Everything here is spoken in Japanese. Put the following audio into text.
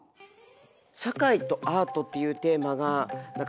「社会とアート」っていうテーマが何か